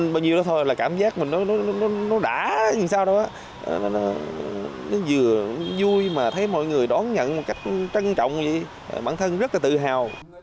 bản thân rất là tự hào